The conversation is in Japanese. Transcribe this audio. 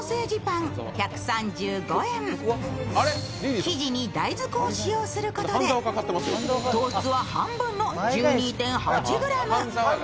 生地に大豆粉を使用することで、糖質は半分の１２．８ｇ。